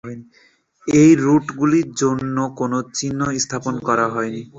এই রুটগুলির জন্য কোন চিহ্ন স্থাপন করা হয়নি।